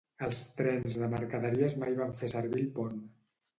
Els trens de mercaderies mai van fer servir el pont.